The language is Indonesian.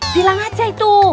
bilang aja itu